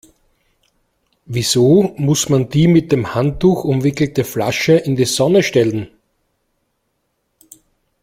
Wieso muss man die mit dem Handtuch umwickelte Flasche in die Sonne stellen?